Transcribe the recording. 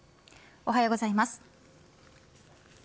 おはようございます。